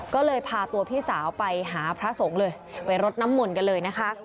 ก็เลยพาตัวพี่สาวไปหาพระสงฆ์เลยไปรดน้ำมนต์กันเลยนะคะ